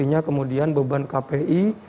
jadi beban kpi